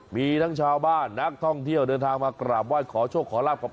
มีทั้งชาวบ้านนักท่องเที่ยวเดินทางมากราบไหว้ขอโชคขอลาบกับ